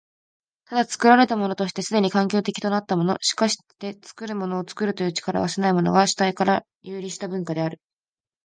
ただ、作られたものとして既に環境的となったもの、しかして作るものを作るという力を有せないものが、主体から遊離した文化である。